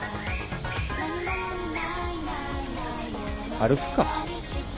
歩くか。